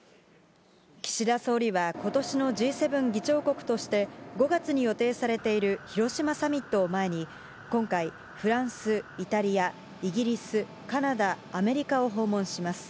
岸田総理はことしのＧ７議長国として、５月に予定されている広島サミットを前に、今回、フランス、イタリア、イギリス、カナダ、アメリカを訪問します。